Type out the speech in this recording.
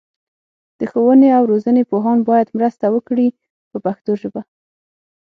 د ښوونې او روزنې پوهان باید مرسته وکړي په پښتو ژبه.